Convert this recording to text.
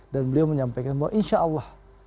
dan beliau menyampaikan bahwa insya allah